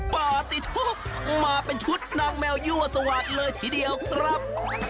ปฏิทุกข์มาเป็นชุดนางแมวยั่วสวัสดิเลยทีเดียวครับ